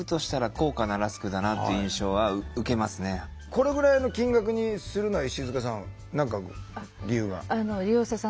これぐらいの金額にするのは石塚さん何か理由が？